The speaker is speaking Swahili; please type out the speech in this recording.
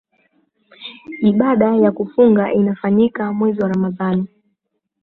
ibada ya funga inafanyika mwezi ramadani